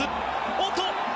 おっと！